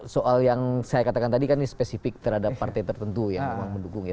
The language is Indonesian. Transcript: soal yang saya katakan tadi kan ini spesifik terhadap partai tertentu yang memang mendukung ya